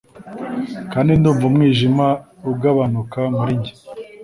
Kandi ndumva umwijima ugabanuka muri njye